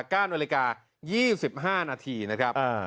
ก้านวันราคา๒๕นาทีนะครับ